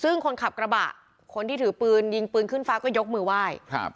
ซึ่งคนขับกระบะคนที่ถือปืนยิงปืนขึ้นฟ้าก็ยกมือไหว้ครับ